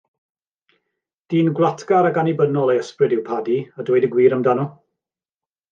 Dyn gwlatgar ac annibynnol ei ysbryd yw Paddy, a dweud y gwir amdano.